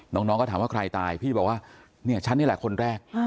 น้องก็ถามว่าใครตายพี่บอกว่าเนี่ยฉันนี่แหละคนแรก